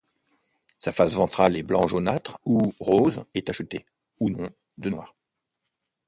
Sa face ventrale est blanc jaunâtre ou rose et tacheté ou non de noir.